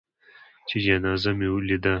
چې جنازه مې لېده.